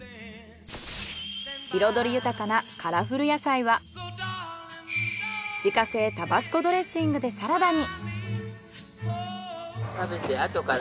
彩り豊かなカラフル野菜は自家製タバスコドレッシングでサラダに。